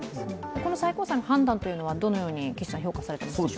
この最高裁の判断というのは岸さんはどのように評価されてますか？